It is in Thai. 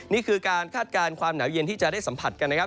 นี่คือการคาดการณ์ความหนาวเย็นที่จะได้สัมผัสกันนะครับ